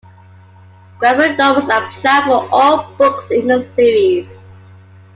Graphic novels are planned for all books in the series.